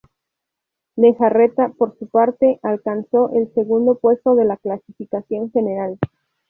Lejarreta, por su parte, alcanzó el segundo puesto de la clasificación general.